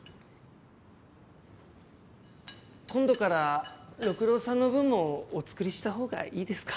今度から六郎さんのぶんもお作りしたほうがいいですか？